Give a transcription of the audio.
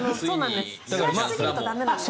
冷やしすぎると駄目なんです。